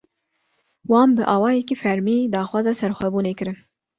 Wan bi awayekî fermî, daxwaza serxwebûnê kirin